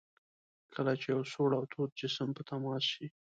کله چې یو سوړ او تود جسم په تماس شي.